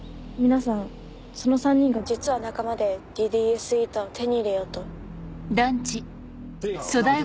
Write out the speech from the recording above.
皆さんその３人が実は仲間でＤＤＳηを手に入れようと。